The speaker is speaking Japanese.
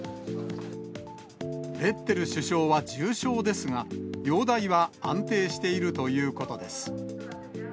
ベッテル首相は重症ですが、容体は安定しているということです。